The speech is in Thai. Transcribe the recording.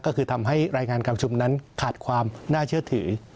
ก็คือทำให้รายงานการชุมนั้นขาดความน่าเชื่อถือ